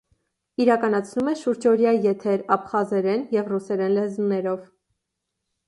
Իրականացնում է շուրջօրյա եթեր աբխազերեն և ռուսերեն լեզուներով։